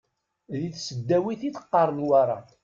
Di tesdawit i teqqar Newwara.